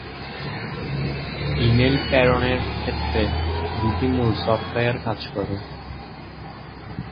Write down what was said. Email প্রেরণের ক্ষেত্রে দুইটি মূল সফটওয়ার কাজ করে।